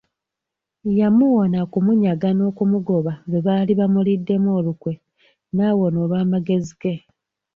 Yamuwona okumunyaga n'okumugoba lwe baali bamuliddemu olukwe n'awona olw'amagezi ge.